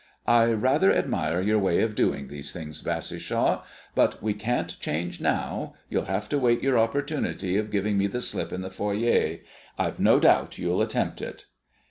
I rather admire your way of doing these things, Bassishaw. But we can't change now. You'll have to wait your opportunity of giving me the slip in the foyer I've no doubt you'll attempt it."